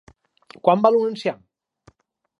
Quant val un enciam?